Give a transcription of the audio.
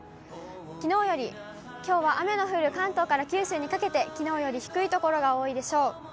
きのうより、きょうは雨の降る関東から九州にかけて、きのうより低い所が多いでしょう。